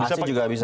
ac juga bisa